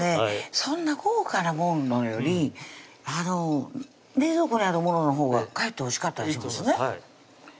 そんな豪華なものより冷蔵庫にあるもののほうがかえっておいしかったりしますね